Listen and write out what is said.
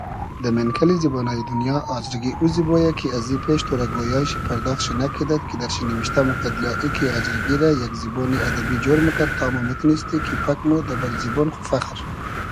دۂ مېنکئلی زیبۉنایی دونیا آزرگی او زیبۉ یۂ کی ازی پېش تۉرۂ گۉیای شی پئرداخت شی نئکیدئد کی در شی نیمیشتۂ موکئد یا ای کی آزرگی رۂ یئگ زیبۉنی ادئبی جۉر موکئد تا مو میتینیستی کی پئگ مۉ دۂ بئل زیبۉن خو فئخر